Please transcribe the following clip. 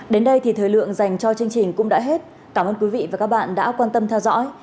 đến đây thì thời lượng dành cho chương trình cũng đã hết cảm ơn quý vị và các bạn đã quan tâm theo dõi